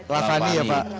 lahani ya pak